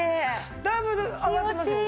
だいぶ上がってますよね。